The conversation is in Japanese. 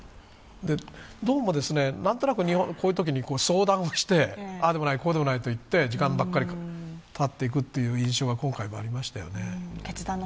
どうも、なんとなくこういうときに相談をしてああでもない、こうでもないといって時間ばかりたっていくという印象が今回もありましたよね。